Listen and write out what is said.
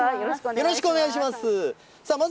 よろしくお願いします。